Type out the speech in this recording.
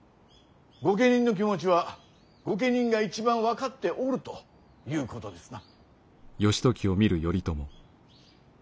御家人の気持ちは御家人が一番分かっておるということですな。